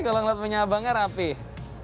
kalau ngeliat punya abangnya rapih